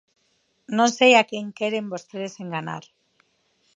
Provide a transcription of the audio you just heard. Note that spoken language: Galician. Non sei a quen queren vostedes enganar.